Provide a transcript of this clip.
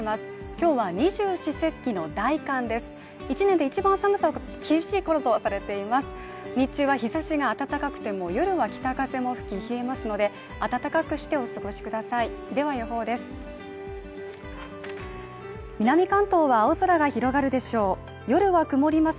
日中は日差しが暖かくても夜は北風も吹き冷えますので暖かくしてお過ごしくださいでは予報です